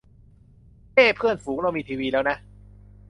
เฮ้ เพื่อนฝูง เรามีทีวีแล้วนะ